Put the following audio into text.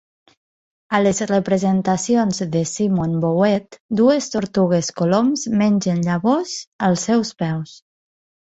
A les representacions de Simon Vouet, dues tortugues-coloms mengen llavors als seus peus.